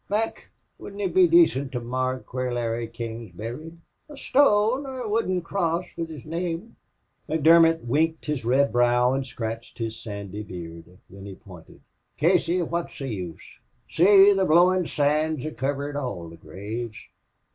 "Mac, wouldn't it be dacent to mark where Larry King's buried? A stone or wooden cross with his name?" McDermott wrinkled his red brow and scratched his sandy beard. Then he pointed. "Casey, wot's the use? See, the blowin' sand's kivered all the graves."